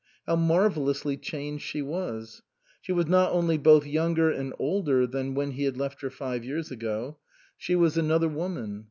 How marvellously changed she was ! She was not only both younger and older than when he had left her five years ago, she was another 157 THE COSMOPOLITAN woman.